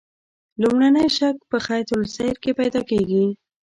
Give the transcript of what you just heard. لومړنی شک په خط السیر کې پیدا کیږي.